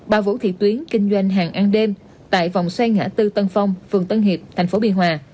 bà vũ thị tuyến kinh doanh hàng ăn đêm tại vòng xoay ngã tư tân phong phường tân hiệp thành phố bì hòa